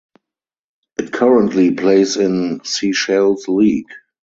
It currently plays in Seychelles League.